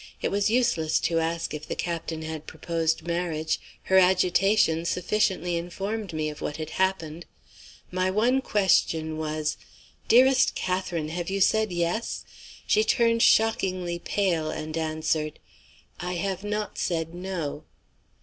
It was useless to ask if the Captain had proposed marriage; her agitation sufficiently informed me of what had happened. My one question was: 'Dearest Catherine, have you said Yes?' She turned shockingly pale, and answered: 'I have not said No.